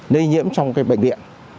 lây nhiễm trong cái bệnh viện